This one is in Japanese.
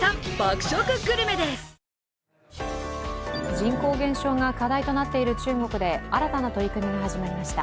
人口減少が課題となっている中国で新たな取り組みが始まりました。